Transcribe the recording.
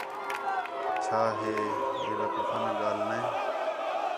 چَھا ہے بے وقوفانہ ڳالھ نے؟